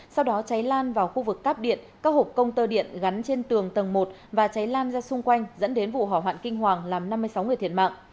sau đó cháy lan vào khu vực cắp điện các hộp công tơ điện gắn trên tường tầng một và cháy lan ra xung quanh dẫn đến vụ hỏa hoạn kinh hoàng làm năm mươi sáu người thiệt mạng